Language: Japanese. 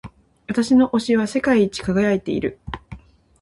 私の押しは世界一輝いている。